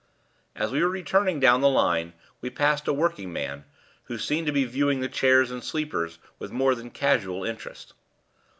As we were returning down the line, we passed a working man, who seemed to be viewing the chairs and sleepers with more than casual interest.